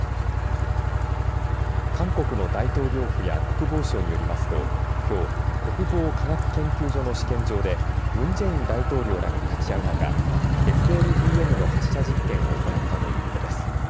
韓国の大統領府や国防省によりますときょう国防科学研究所の試験場でムン・ジェイン大統領らが立ち会う中ＳＬＢＭの発射実験を行ったということです。